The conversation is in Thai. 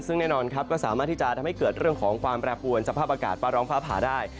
ซึ่งแน่นอนครับก็สามารถที่จะทำให้เกิดเรื่องของความแปรปวนสภาพอากาศฟ้าร้องฟ้าผ่าได้